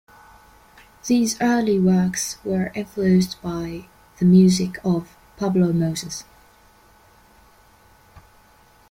These early works were influenced by the music of Pablo Moses.